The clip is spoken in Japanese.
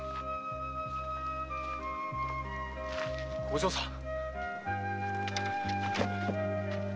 お嬢さん！